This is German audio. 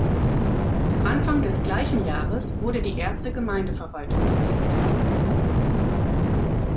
Anfang des gleichen Jahres wurde die erste Gemeindeverwaltung gewählt.